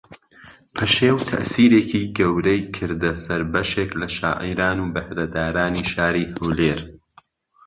پەشێو تەئسیرێکی گەورەی کردە سەر بەشێک لە شاعیران و بەھرەدارانی شاری ھەولێر